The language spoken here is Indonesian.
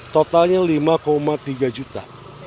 totalnya lima tiga juta